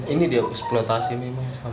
ini dia eksploitasi